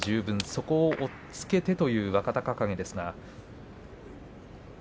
そこを押っつけてという若隆景です。